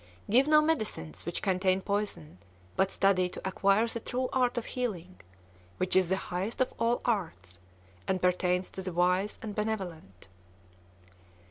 Give no medicines which contain poison, but study to acquire the true art of healing, which is the highest of all arts, and pertains to the wise and benevolent.